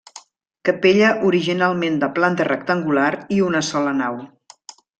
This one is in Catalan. Capella originalment de planta rectangular i una sola nau.